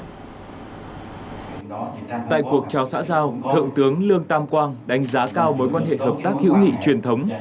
tại cuộc trao xã giao thượng tướng lương tam quang đánh giá cao mối quan hệ hợp tác hữu nghị truyền thống